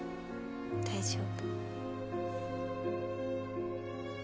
大丈夫。